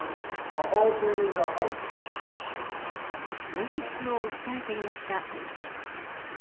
無実を訴えていました。